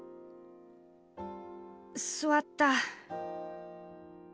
「座った！」。